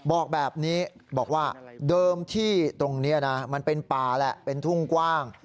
บอกแบบนี้บอกว่าเดิมที่ตรงนี้นะมันเป็นป่าแหละเป็นทุ่งกว้าง